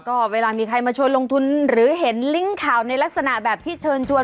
ก็เวลามีใครมาชวนลงทุนหรือเห็นลิงก์ข่าวในลักษณะแบบที่เชิญชวน